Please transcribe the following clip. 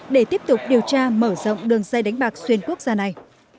để tiếp tục điều tra mở rộng đường dây đánh bạc xuyên quốc gia này